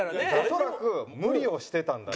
恐らく無理をしてたんだ。